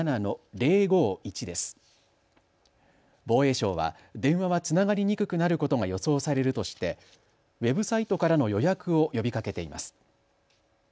防衛省は、電話はつながりにくくなることが予想されるとしてウェブサイトからの予約を呼びかけています。